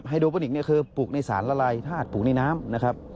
ไฮโดปอลิกคือปลูกในสารละลายธาตุปลูกในน้ำ